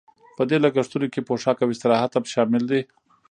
په دې لګښتونو کې پوښاک او استراحت هم شامل دي